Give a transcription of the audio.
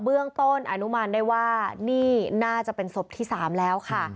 เบื้องต้นอนุมานได้ว่านี่น่าจะเป็นศพที่๓แล้วค่ะ